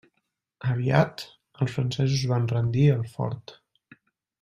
Aviat, els francesos van rendir el fort.